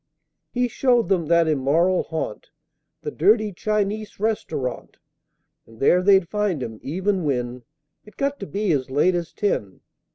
He showed them that immoral haunt, The dirty Chinese Restaurant; And there they'd find him, even when It got to be as late as ten!